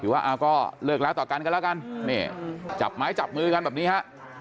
ว่าเอาก็เลิกแล้วต่อกันกันแล้วกันนี่จับไม้จับมือกันแบบนี้ฮะ